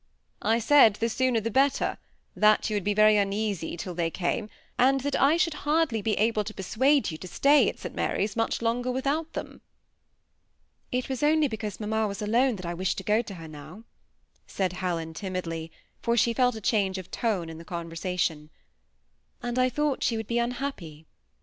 ^ I said the sooner the better — that yon would be very uneasy till they came, and that I should hardly be able to persuade you to stay at St Mary's much longer without them." *^It was only because mamma was alone that I wished to go to her now," said Helen, timidly, for she felt a change of tone in the conversation, " and I thought she would be unhappy."